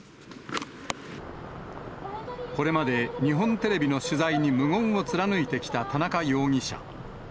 これまで日本テレビの取材に無言を貫いてきた田中容疑者。